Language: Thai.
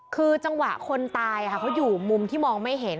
คือจังหวะคนตายเขาอยู่มุมที่มองไม่เห็น